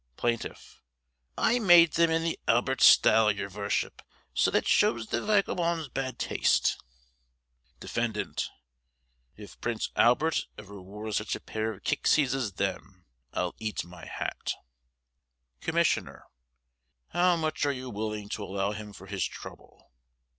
Plaintiff: I made them in the "Albert style," yer vorship, so that shows the wagabone's bad taste. Defendant: If Prince Albert ever wore sich a pair of kicksies as them I'll eat my hat. Commissioner: How much are you willing to allow him for his trouble?